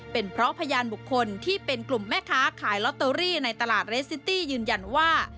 เป็นเพราะพยานบุคคลที่เป็นกลุ่มแม่ค้าขายลอตเตอรี่ในตลาดเรสซิตี้ยืนยันว่า